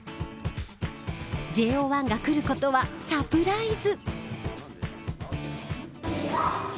ＪＯ１が来ることはサプライズ。